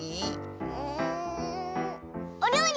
うんおりょうり！